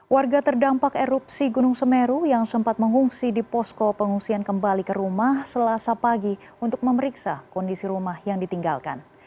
warga terdampak erupsi gunung semeru yang sempat mengungsi di posko pengungsian kembali ke rumah selasa pagi untuk memeriksa kondisi rumah yang ditinggalkan